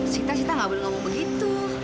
sita sita gak boleh ngomong begitu